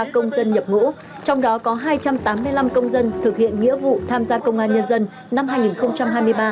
trong đó có hai trăm tám mươi năm công dân thực hiện nghĩa vụ tham gia công an nhân dân năm hai nghìn hai mươi ba